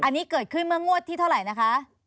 อันนี้เกิดขึ้นเมื่องวดที่เท่าไหร่นะคะ